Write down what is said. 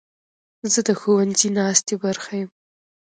زه د ښوونځي ناستې برخه یم.